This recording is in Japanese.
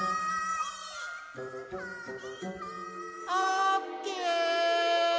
・オッケー！